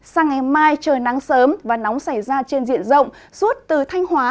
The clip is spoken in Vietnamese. sang ngày mai trời nắng sớm và nóng xảy ra trên diện rộng suốt từ thanh hóa